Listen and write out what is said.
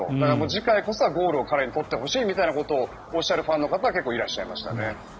次回こそはゴールを彼に取ってほしいみたいなことをおっしゃるファンの方が結構いらっしゃいましたね。